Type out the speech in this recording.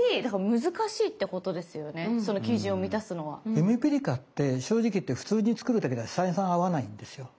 ゆめぴりかって正直言って普通に作るだけでは採算合わないんですよ。